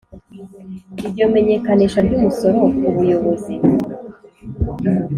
iryo menyekanisha ry umusoro ku Buyobozi